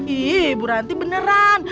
iiih bu ranti beneran